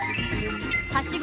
はしご